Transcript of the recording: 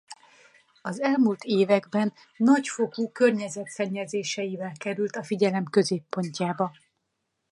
Az elmúlt években nagyfokú környezetszennyezéseivel került a figyelem középpontjába.